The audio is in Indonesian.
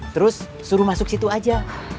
terus suruh masuk situ aja